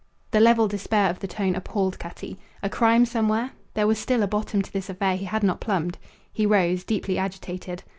The level despair of the tone appalled Cutty. A crime somewhere? There was still a bottom to this affair he had not plumbed? He rose, deeply agitated.